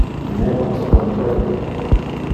Nemo te comprende.